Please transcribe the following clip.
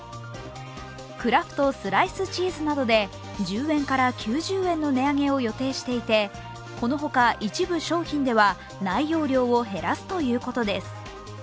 クラフトスライスチーズなどで１０円から９０円の値上げを予定していてこの他、一部商品では内容量を減らすということです。